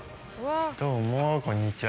どうもこんにちは